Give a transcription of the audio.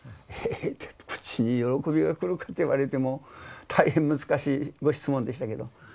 え口に喜びがくるかって言われても大変難しいご質問でしたけど。